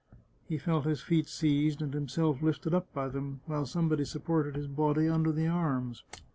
He felt his feet seized and himself lifted up by them, while somebody sup ported his body under the arms.